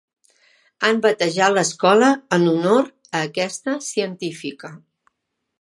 Han batejat l'escola en honor a aquesta científica.